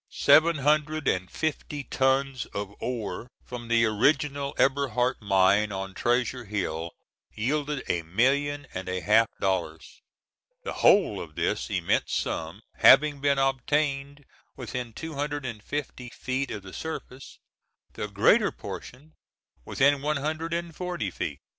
Seven hundred and fifty tons of ore from the original Eberhardt mine on Treasure Hill yielded a million and a half dollars, the whole of this immense sum having been obtained within two hundred and fifty feet of the surface, the greater portion within one hundred and forty feet.